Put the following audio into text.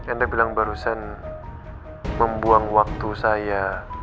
anda bilang barusan membuang waktu saya